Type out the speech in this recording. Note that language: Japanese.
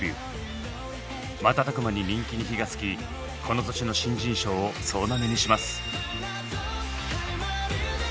瞬く間に人気に火がつきこの年の新人賞を総なめにします。